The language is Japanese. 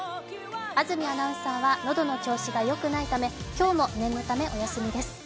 安住アナウンサーは喉の調子がよくないため今日も、念のためお休みです。